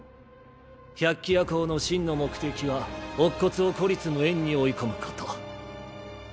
百鬼夜行の真の目的は乙骨を孤立無援に追い込むこと。